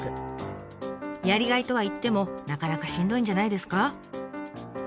やりがいとはいってもなかなかしんどいんじゃないですか？